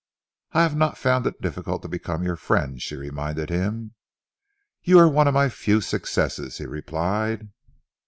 "I have not found it difficult to become your friend," she reminded him. "You are one of my few successes," he replied.